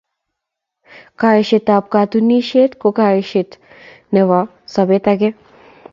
koashoet ab katunisiet ko koashoet Nebo Sabet agenge